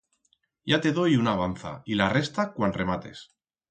Ya te doi una abanza y la resta cuan remates.